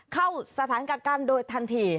เข้าสถานกักกันโดยทันที